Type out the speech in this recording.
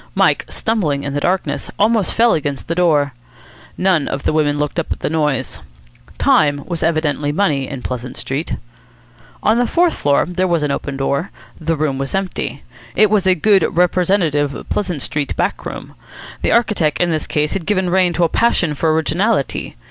Mike, stumbling in the darkness, almost fell against the door. None of the women looked up at the noise. Time was evidently money in Pleasant Street. On the fourth floor there was an open door. The room was empty. It was a good representative Pleasant Street back room. The architect in this case had given rein to a passion for originality.